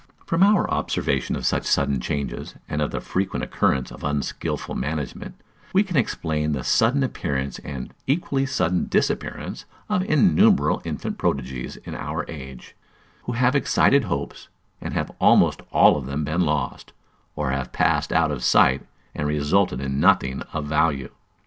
From our observation of such sudden changes, and of the frequent occurrence of unskilful management, we can explain the sudden appearance and equally sudden disappearance of innumerable infant prodigies in our age, who have excited hopes, and have almost all of them been lost, or have passed out of sight, and resulted in nothing of value.